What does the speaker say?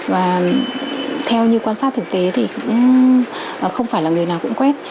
và theo như quan sát thực tế thì cũng không phải là người nào cũng quét